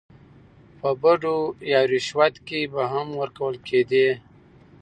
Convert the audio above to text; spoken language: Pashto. په بډو يا رشوت کې به هم ورکول کېدې.